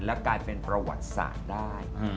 และกลายเป็นประวัติศาสตร์ได้